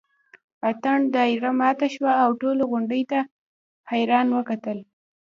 اتڼ دایره ماته شوه او ټولو غونډۍ ته حیران وکتل.